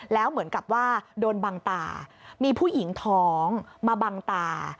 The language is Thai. แล้วเหมือนกับว่าโดนบังตามีผู้หญิงท้องมาบังตา